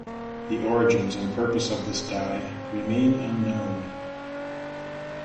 The origins and purpose of this die remain unknown.